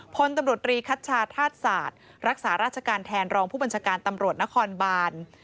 พลตำรวจรีคัชชาธาตุศาสตร์รักษาราชการแทนรองผู้บัญชาการตำรวจนครบาน